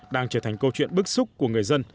đang trở thành câu chuyện bức xúc của người dân